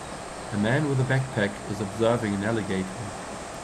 A man with a backpack is observing an alligator.